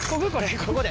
ここで。